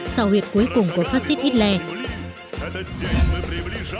sau huyệt cuối cùng của phát xít hitler